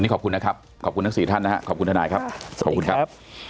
ขอบคุณท่านายครับสวัสดีครับ